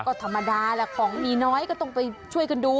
ก็ธรรมดาแหละของมีน้อยก็ต้องไปช่วยกันดู